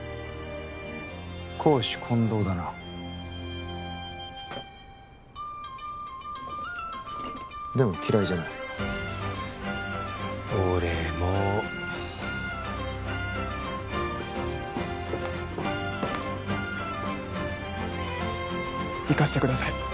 公私混同だなでも嫌いじゃない俺も行かせてください